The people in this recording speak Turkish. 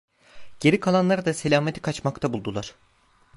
Geri kalanlar da selameti kaçmakta buldular.